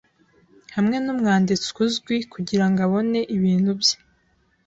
hamwe n'umwanditsi uzwi kugirango abone ibintu bye